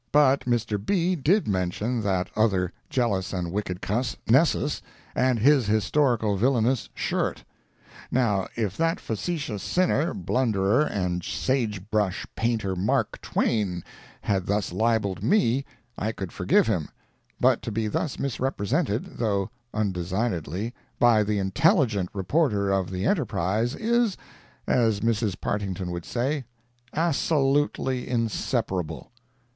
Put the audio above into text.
But Mr. B____ did mention that other jealous and wicked "cuss," Nessus, and his historical, villainous "shirt." Now, if that facetious sinner, blunderer and sage brush painter, "Mark Twain," had thus libelled me, I could forgive him; but to be thus misrepresented (though undesignedly) by the "intelligent" reporter of the ENTERPRISE is, as Mrs. Partington would say, assolutely inseparable.